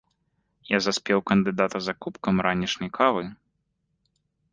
Я заспеў кандыдата за кубкам ранішняй кавы.